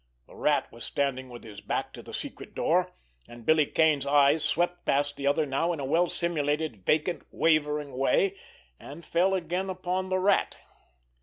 The Rat was standing with his back to the secret door, and Billy Kane's eyes swept past the other now in a well simulated vacant, wavering way—and fell again upon the Rat.